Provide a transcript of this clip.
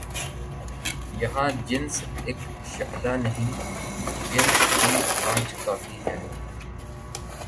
یہاں جنس اک شعلہ نہیں، جنس کی آنچ کافی ہے